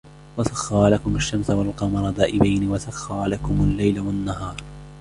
وَسَخَّرَ لَكُمُ الشَّمْسَ وَالْقَمَرَ دَائِبَيْنِ وَسَخَّرَ لَكُمُ اللَّيْلَ وَالنَّهَارَ